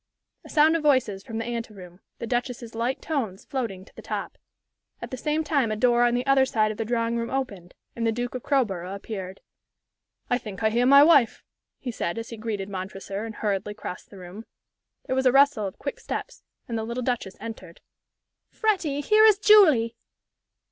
A sound of voices from the anteroom, the Duchess's light tones floating to the top. At the same time a door on the other side of the drawing room opened and the Duke of Crowborough appeared. "I think I hear my wife," he said, as he greeted Montresor and hurriedly crossed the room. There was a rustle of quick steps, and the little Duchess entered. "Freddie, here is Julie!"